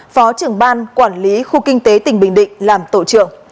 phó trưởng ban quản lý khu kinh tế tỉnh bình định làm tổ trưởng